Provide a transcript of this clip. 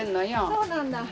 そうなんだ。